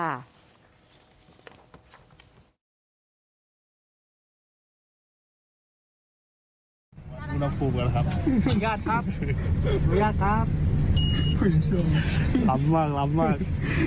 คุณผู้ชมหลับมากหลับมาก